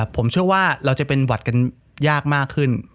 ผมเชื่อว่าเราจะเป็นหวัดกันยากมากขึ้น